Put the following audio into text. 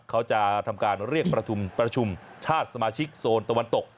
เขาจะทำการเรียกประชุมชาติสมาชิกโซนตะวันตก